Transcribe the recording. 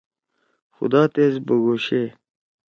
خُدا تیس بُگوشے۔